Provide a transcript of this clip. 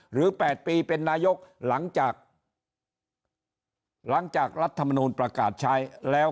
๘ปีเป็นนายกหลังจากหลังจากรัฐมนูลประกาศใช้แล้ว